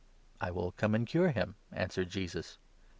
" I will come and cure him," answered Jesus.